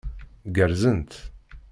Gerrzent.